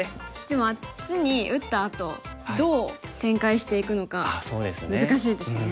でもあっちに打ったあとどう展開していくのか難しいですよね。